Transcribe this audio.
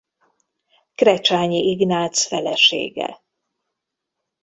Krecsányi Ignác felesége.